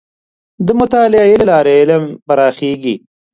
د مطالعې له لارې علم پراخېږي.